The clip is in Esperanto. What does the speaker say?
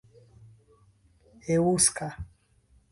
eŭska